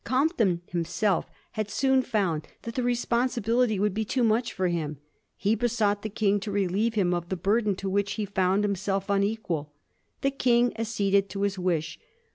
Compton him self had soon found that the responsibility would be too much for him. He besought the King to relieve him of the burden to which he found himself un equal. The King acceded to his wish.